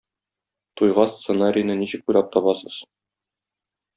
Туйга сценарийны ничек уйлап табасыз?